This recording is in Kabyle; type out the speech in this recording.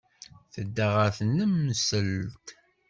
Tedda ɣer tnemselt.